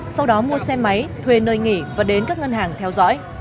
sau đó mua xe máy thuê nơi nghỉ và đến các ngân hàng theo dõi